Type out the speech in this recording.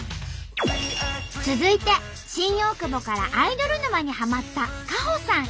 続いて新大久保からアイドル沼にハマった香穂さん